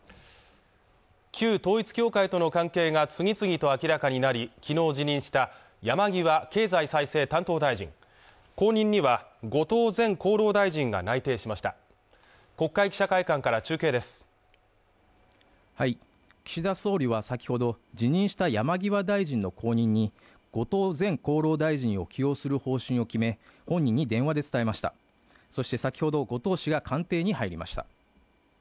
旧統一教会との関係が次々と明らかになりきのう辞任した山際経済再生担当大臣後任には後藤前厚労大臣が内定しました国会記者会館から中継です岸田総理は先ほど辞任した山際大臣の後任に後藤前厚労大臣を起用する方針を決め本人に電話で伝えましたそして先ほど後藤氏が官邸に入りました